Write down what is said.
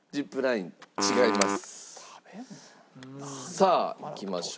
さあいきましょうか。